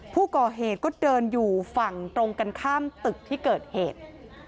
ผู้ก่อเหตุก็เดินอยู่ฝั่งตรงกันข้ามตึกที่เกิดเหตุ